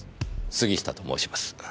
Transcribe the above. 杉下と申します。